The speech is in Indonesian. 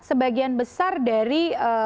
sebagian besar dari